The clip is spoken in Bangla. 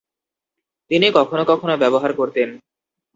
তিনি কখনো কখনো ব্যবহার করতেন।